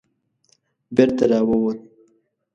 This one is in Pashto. بېرته را ووت.